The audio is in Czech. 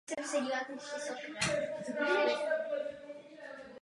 Ta se později rozpadla a Amor přešel do samostatného klubu Likudu.